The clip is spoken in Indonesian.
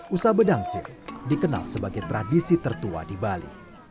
usabe dangsil dikenal sebagai tradisi tertua di bali